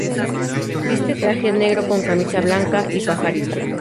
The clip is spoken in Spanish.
Viste traje negro con camisa blanca y pajarita.